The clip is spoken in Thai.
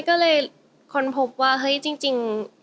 ก็เลยค้นพบว่าเฮ้ยจริง